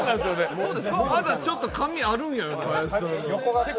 まだちょっと髪、あるんや、林さん。